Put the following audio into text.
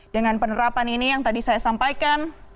dengan penerapan ini yang tadi saya sampaikan